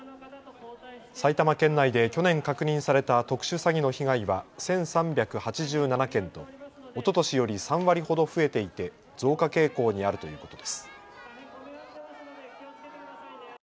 埼玉県内で去年確認された特殊詐欺の被害は１３８７件とおととしより３割ほど増えていて増加傾向にあるということです。